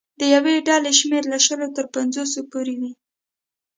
د یوې ډلې شمېر له شلو تر پنځوسو پورې وي.